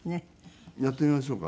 やってみましょうか？